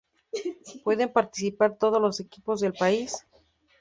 Pueden participar todos los equipos del país.